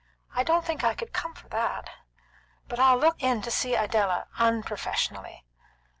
"I don't think I could come for that. But I'll look in to see Idella unprofessionally."